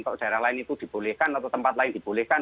kalau daerah lain itu dibolehkan atau tempat lain dibolehkan